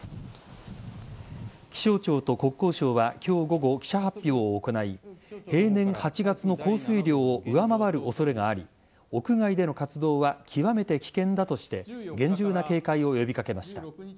気象庁と国交省は今日午後記者発表を行い平年８月の降水量を上回る恐れがあり屋外での活動は極めて危険だとして厳重な警戒を呼び掛けました。